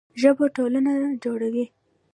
ژبه ټولنه نه جوړوي.